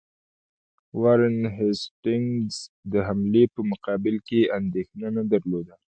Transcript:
وارن هیسټینګز د حملې په مقابل کې اندېښنه نه درلوده.